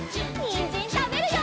にんじんたべるよ！